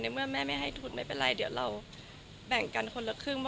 เมื่อแม่ไม่ให้ทุนไม่เป็นไรเดี๋ยวเราแบ่งกันคนละครึ่ง